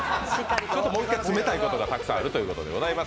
ちょっともう一回詰めたいことがたくさんあるということです。